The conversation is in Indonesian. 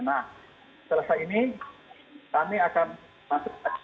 nah selesai ini kami akan masuk